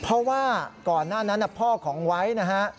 เพราะว่าก่อนหน้านั้นพ่อของไวท์นะฮะ